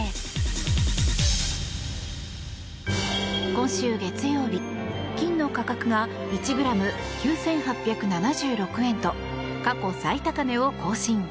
今週月曜日金の価格が１ｇ９８７６円と過去最高値を更新。